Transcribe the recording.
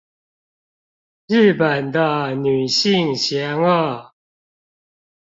日本的女性嫌惡